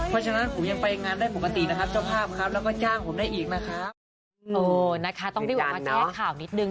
เออนะคะต้องได้บอกว่าแจกข่าวนิดนึง